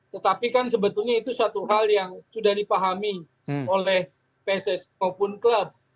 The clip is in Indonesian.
tetapi kan sebetulnya itu satu hal yang sudah dipahami oleh pssi maupun klub